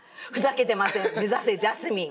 目指せジャスミン。